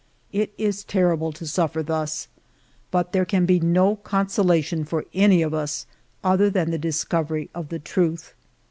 It is ter rible to suffer thus ; but there can be no consola tion for anv of us other than the discovery of the truth.